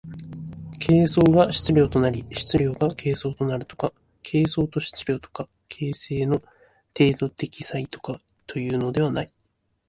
形相が質料となり質料が形相となるとか、形相と質料とか形成の程度的差異とかというのではない。